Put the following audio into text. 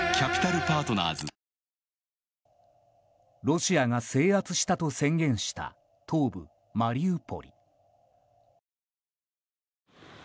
ロシアが制圧したと宣言した東部マリウポリ。